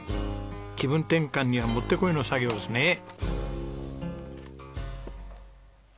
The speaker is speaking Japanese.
気分転換にはもってこいの作業ですね。